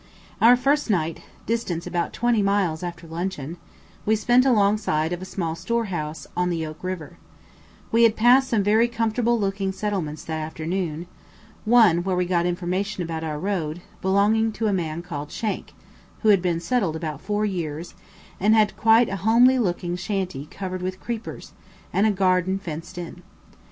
Our first night, distance about twenty miles after luncheon, we spent alongside of a small store house on the Oak River; we had passed some very comfortable looking settlements that afternoon, one, where we got information about our road, belonging to a man called Shank, who had been settled about four years, and had quite a homely looking shanty covered with creepers, and garden fenced in.